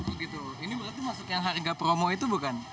ini berarti masuk yang harga promo itu bukan